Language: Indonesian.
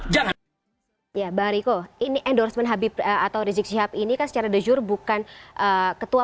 jangan ya bariko ini endorsement habib atau rezeki hab ini kan secara dejur bukan ketua